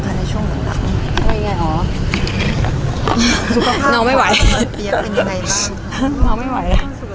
ภาษาสนิทยาลัยสุดท้าย